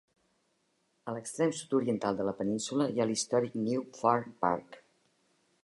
A l'extrem sud-oriental de la península hi ha l'històric New Farm Park.